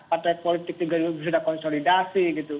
partai politik juga sudah konsolidasi gitu